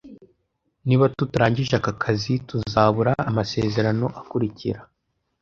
Niba tutarangije aka kazi, tuzabura amasezerano akurikira.